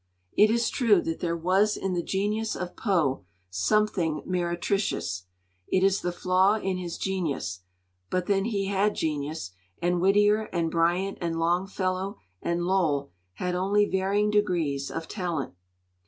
It is true that there was in the genius of Poe something meretricious; it is the flaw in his genius; but then he had genius, and Whittier and Bryant and Longfellow and Lowell had only varying degrees of talent.